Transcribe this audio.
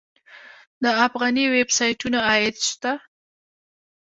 د افغاني ویب سایټونو عاید شته؟